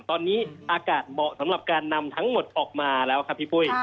ตอนนี้อากาศเหมาะสำหรับการนำทั้งหมดออกมาแล้วครับพี่ปุ้ย